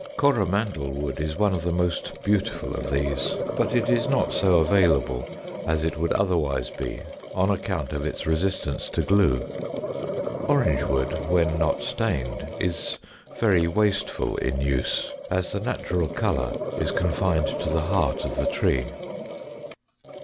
Coromandel wood is one of the most beautiful of these, but it is not so available as it would otherwise be on account of its resistance to glue. Orange wood, when not stained, is very wasteful in use, as the natural colour is confined to the heart of the tree.